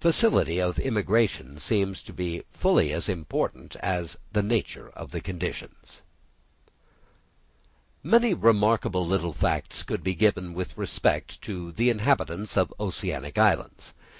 Facility of immigration seems to have been fully as important as the nature of the conditions. Many remarkable little facts could be given with respect to the inhabitants of oceanic islands.